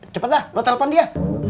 cepet lah lo telepon dia